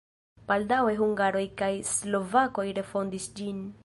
Baldaŭe hungaroj kaj slovakoj refondis ĝin.